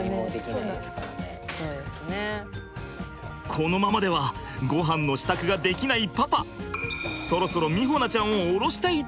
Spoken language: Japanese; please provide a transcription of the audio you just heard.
このままではごはんの支度ができないパパ。